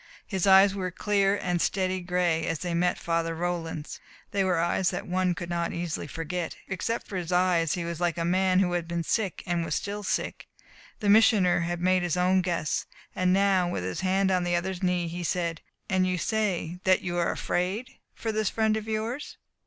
His eyes were a clear and steady gray as they met Father Roland's. They were eyes that one could not easily forget. Except for his eyes he was like a man who had been sick, and was still sick. The Missioner had made his own guess. And now, with his hand on the other's knee, he said: "And you say that you are afraid for this friend of yours?"